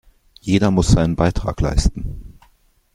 Jeder muss seinen Beitrag leisten.